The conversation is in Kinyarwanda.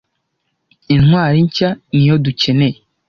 Intwari Nshya niyo dukeneye